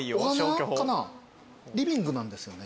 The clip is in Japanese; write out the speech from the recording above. リビングなんですよね